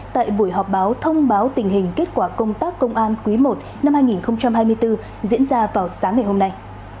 tại buổi họp báo thông báo tình hình kết quả công tác công an quý i năm hai nghìn hai mươi bốn diễn ra vào sáng ngày hôm nay